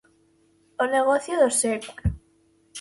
O negocio do século.